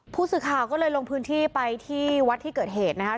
ผู้สื่อข่าวก็เลยลงพื้นที่ไปที่วัดที่เกิดเหตุนะครับ